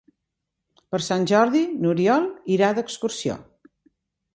Per Sant Jordi n'Oriol irà d'excursió.